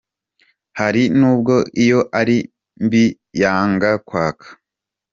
hari nubwo iyo ari mbi yanga kwaka.